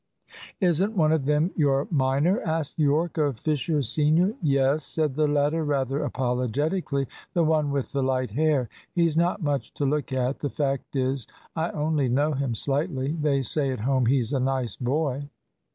"Isn't one of them your minor?" asked Yorke of Fisher senior. "Yes," said the latter rather apologetically; "the one with the light hair. He's not much to look at. The fact is, I only know him slightly. They say at home he's a nice boy."